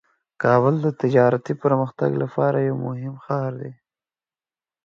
کابل د تجارتي پرمختګ لپاره یو مهم ښار دی.